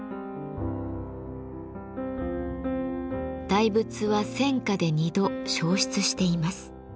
大仏は戦火で２度焼失しています。